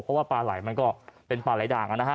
เพราะว่าปลาไหลมันก็เป็นปลาไหลด่างนะฮะ